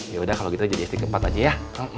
yaudah kalau gitu jadi esti keempat aja ya